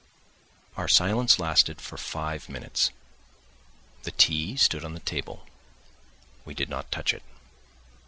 Our silence lasted for five minutes. The tea stood on the table; we did not touch it.